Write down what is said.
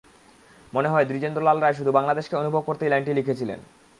মনে হয়, দ্বিজেন্দ্র লাল রায় শুধু বাংলাদেশকে অনুভব করতেই লাইনটি লিখেছিলেন।